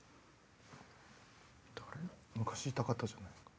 昔いた方じゃないですか？